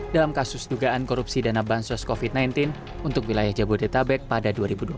dalam kasus dugaan korupsi dana bansos covid sembilan belas untuk wilayah jabodetabek pada dua ribu dua puluh